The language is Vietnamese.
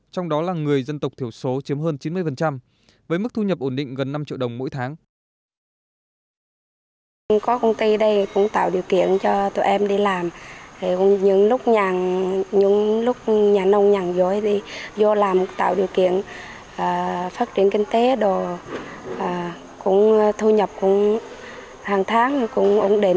trong đó là người dân tộc thiểu số chiếm hơn chín mươi với mức thu nhập ổn định gần năm triệu đồng mỗi tháng